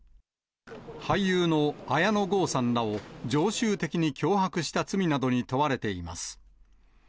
俳優の綾野剛さんらを常習的に脅迫した罪などに問われています。